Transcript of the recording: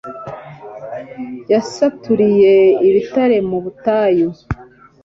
Yasaturiye ibitare mu butayu